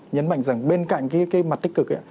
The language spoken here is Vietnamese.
nhấn mạnh rằng bên cạnh cái mặt tích cực